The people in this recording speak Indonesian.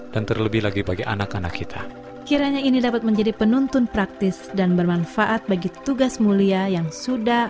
dan tugas mulia yang sudah